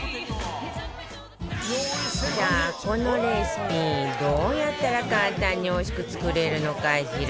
さあこのレシピどうやったら簡単においしく作れるのかしら？